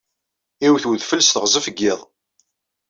Iwet wedfel s teɣzef n yiḍ.